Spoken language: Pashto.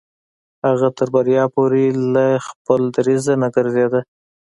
هغه تر بريا پورې له خپل دريځه نه ګرځېده.